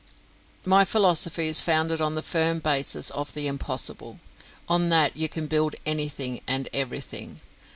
My philosophy is founded on the firm basis of the Impossible; on that you can build anything and everything.